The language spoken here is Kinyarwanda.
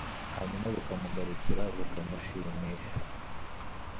hanyuma bukamugarukira, bukamushimisha